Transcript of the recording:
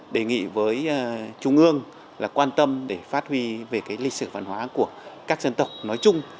đề nghị với trung ương là quan tâm để phát huy về lịch sử văn hóa của các dân tộc nói chung